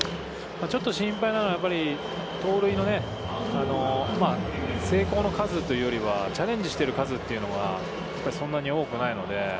ちょっと心配なのは、やっぱり盗塁の成功の数というよりは、チャレンジしてる数というのが、そんなに多くないので。